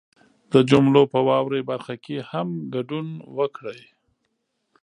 د جملو په واورئ برخه کې هم ګډون وکړئ